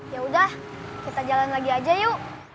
yaudah kita jalan lagi aja yuk